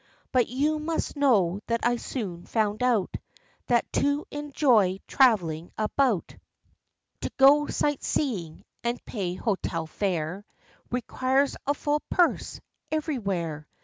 But you must know that I soon found out, That, to enjoy travelling about, — To go sight seeing, and pay hotel fare, — Requires a full purse every where.